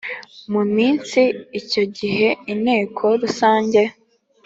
Mu minsi icyo gihe inteko rusange